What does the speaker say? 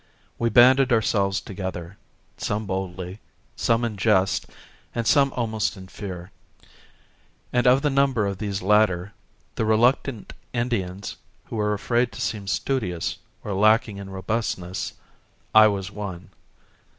We banded ourselves together, some boldly, some in jest and some almost in fear: and of the number of these latter, the reluctant Indians who were afraid to seem studious or lacking in robustness, I was one.